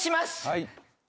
はい。